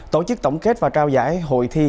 tổ chức tổng kết và trao giải hội thi